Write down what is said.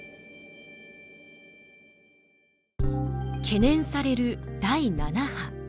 懸念される第７波。